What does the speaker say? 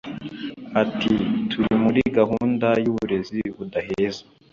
Ati “Turi muri gahunda y’uburezi budaheza